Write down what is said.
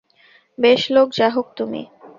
বেশ লোক যা হোক তুমি।